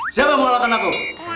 siapa yang kalahkan aku